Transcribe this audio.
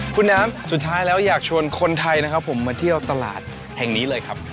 คุณน้ำสุดท้ายแล้วอยากชวนคนไทยนะครับผมมาเที่ยวตลาดแห่งนี้เลยครับ